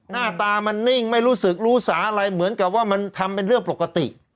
หน้าตามันนิ่งไม่รู้สึกรู้สาอะไรเหมือนกับว่ามันทำเป็นเรื่องปกติ